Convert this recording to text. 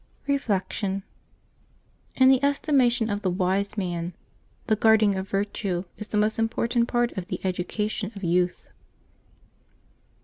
Reflection. — In the estimation of the wise man, "the guarding of virtue'' is the most important part of the education of youth.